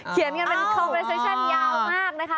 เขียนกันเป็นคอนเวอร์เซชั่นยาวมากนะคะ